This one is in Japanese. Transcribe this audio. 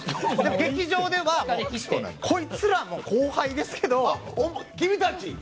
劇場ではこいつらの後輩ですけど。